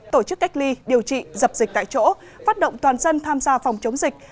tổ chức cách ly điều trị dập dịch tại chỗ phát động toàn dân tham gia phòng chống dịch